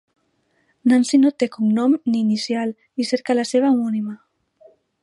Nancy no té cognom ni inicial i cerca la seva homònima.